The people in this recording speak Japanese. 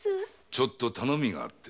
ちょっと頼みがあってな。